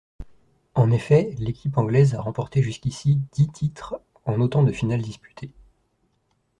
En effet, l'équipe anglaise a remporté jusqu'ici dix titres en autant de finales disputées.